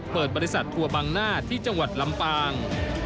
เปิดบริษัททัวร์บังหน้าที่จังหวัดลำปาง